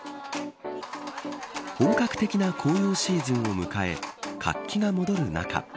本格的な紅葉シーズンを迎え活気が戻る中